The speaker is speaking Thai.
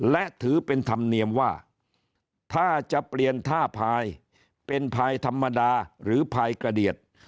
และถือเป็นธรรมเนียมว่าถ้าจะเปลี่ยนท่าพายเป็นภายธรรมดาหรือพายกระเดียด